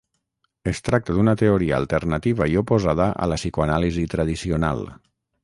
Es tracta d'una teoria alternativa i oposada a la psicoanàlisi tradicional.